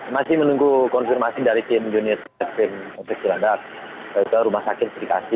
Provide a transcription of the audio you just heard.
masih menunggu konfirmasi dari tim unit mtsn rumah sakit sedikasi